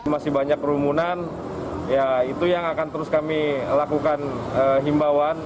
masih banyak kerumunan ya itu yang akan terus kami lakukan himbauan